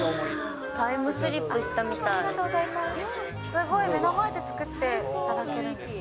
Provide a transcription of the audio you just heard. タイムスリップしたすごい、目の前で作っていただけるんですね。